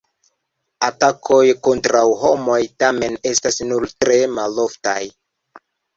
Atakoj kontraŭ homoj tamen estas nur tre maloftaj.